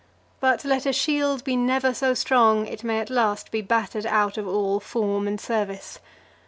But let a shield be never so strong, it may at last be battered out of all form and service.